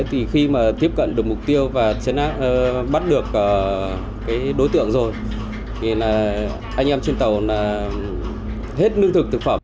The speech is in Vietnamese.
thì khi mà tiếp cận được mục tiêu và bắt được đối tượng rồi thì là anh em trên tàu là hết nước thực thực phẩm